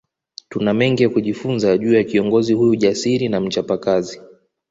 Tuna mengi ya kujifunza juu ya kiongozi huyu jasiri na mchapakazi